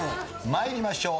参りましょう。